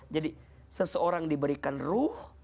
jadi seseorang diberikan ruh